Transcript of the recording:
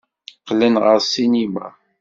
Qqlen ɣer ssinima.